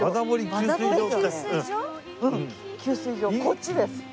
こっちです。